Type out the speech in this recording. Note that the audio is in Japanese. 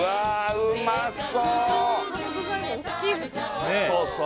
うまそう